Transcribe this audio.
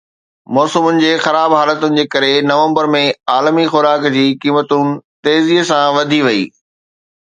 موسم جي خراب حالتن جي ڪري نومبر ۾ عالمي خوراڪ جي قيمتن تيزي سان وڌي وئي